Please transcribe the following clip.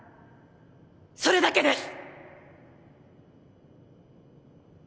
それだけです！